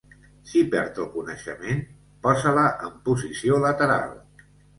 Si perd el coneixement, posa-la en posició lateral.